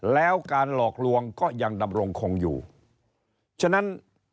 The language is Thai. แล้วการหลอกลวงก็ยังดำรงคงอยู่ฉะนั้น